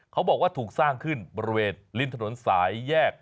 เขาบอกว่าถูกสร้างขึ้นบริเวณริมถนนสายแยก